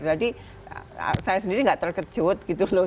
jadi saya sendiri tidak terkejut gitu loh